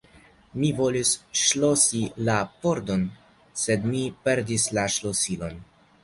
Mi volis ŝlosi la pordon, sed mi perdis la ŝlosilon.